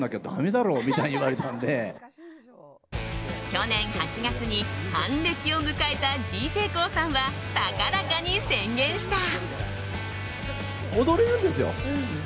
去年８月に還暦を迎えたＤＪＫＯＯさんは高々に宣言した。